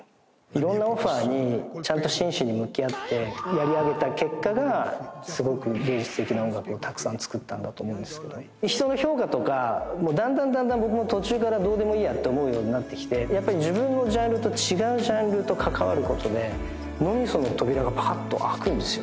色んなオファーにちゃんと真摯に向き合ってやり上げた結果がすごく芸術的な音楽をたくさんつくったんだと思うんですけど人の評価とかもうだんだんだんだん僕も途中からどうでもいいやって思うようになってきてやっぱり自分のジャンルと違うジャンルと関わることで脳みその扉がパカッと開くんですよね